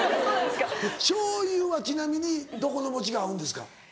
しょうゆはちなみにどこの餅が合うんですか？